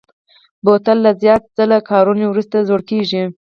بوتل له زیات ځله کارونې وروسته زوړ کېږي.